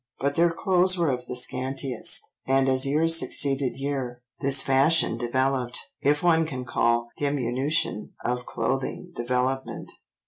but their clothes were of the scantiest, and as year succeeded year, this fashion developed, if one can call diminution of clothing development."